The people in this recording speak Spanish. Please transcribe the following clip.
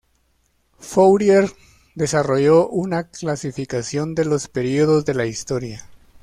Fourier desarrolló una clasificación de los períodos de la historia.